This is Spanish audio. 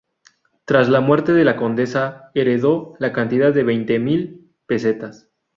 Tras la muerte de la condesa heredó la cantidad de veinte mil pesetas.